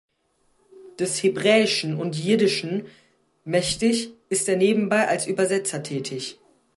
Des Hebräischen und Jiddischen mächtig, ist er nebenbei als Übersetzer tätig.